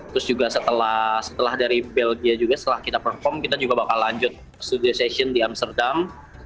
terus juga setelah dari belgia juga setelah kita perform kita juga bakal lanjut studio session di amsterdam